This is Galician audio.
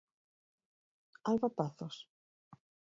Alba Pazos?